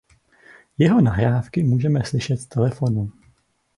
Jeho nahrávky můžeme slyšet z telefonu.